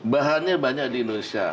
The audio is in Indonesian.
bahannya banyak di indonesia